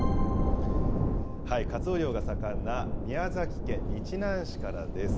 かつお漁が盛んな宮崎県日南市からです。